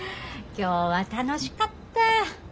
今日は楽しかった。